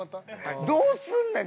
どうすんねん。